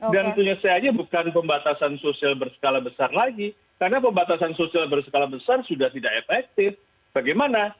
dan punya saya aja bukan pembatasan sosial berskala besar lagi karena pembatasan sosial berskala besar sudah tidak efektif bagaimana